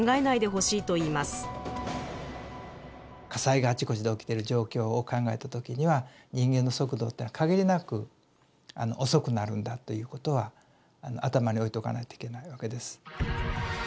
火災があちこちで起きてる状況を考えた時には人間の速度っていうのは限りなく遅くなるんだということは頭に置いとかないといけないわけです。